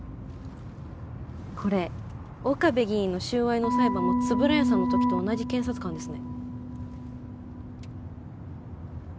これ岡部議員の収賄の裁判も円谷さんの時と同じ検察官ですね